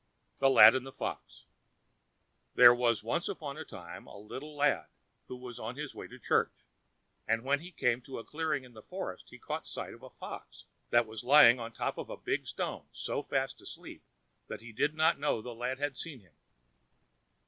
The Lad and the Fox There was once upon a time a little lad, who was on his way to church, and when he came to a clearing in the forest he caught sight of a fox, that was lying on the top of a big stone so fast asleep that he did not know the lad had seen him.